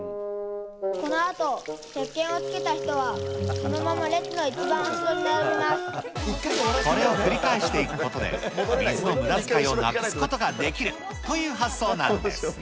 このあとせっけんをつけた人は、そのまま列の一番後ろに並びこれを繰り返していくことで、水のむだづかいをなくすことができるという発想なんです。